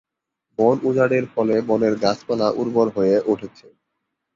বন উজাড়ের ফলে বনের গাছপালা উর্বর হয়ে উঠছে।